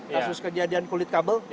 kasus kejadian kulit kabel